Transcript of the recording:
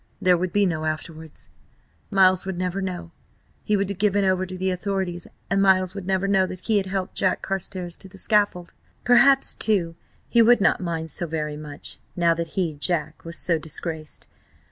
There would be no "afterwards." ... Miles would never know. .. He would be given over to the authorities, and Miles would never know that he had helped Jack Carstares to the scaffold. ... Perhaps, too, he would not mind so very much, now that he, Jack, was so disgraced.